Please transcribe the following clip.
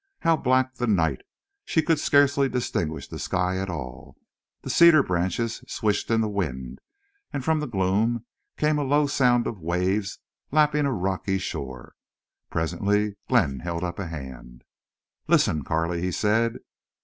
How black the night! She could scarcely distinguish the sky at all. The cedar branches swished in the wind, and from the gloom came a low sound of waves lapping a rocky shore. Presently Glenn held up a hand. "Listen, Carley!" he said.